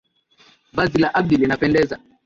Vazi la Abdi linapendeza.